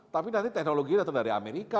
tapi nanti teknologi datang dari amerika